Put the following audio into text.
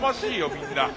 みんな。